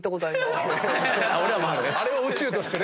あれを宇宙としてね。